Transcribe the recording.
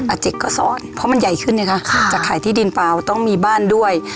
อาเจกก็ซ่อนเพราะมันใหญ่ขึ้นไงคะจะขายที่ดินเปล่าต้องมีบ้านด้วย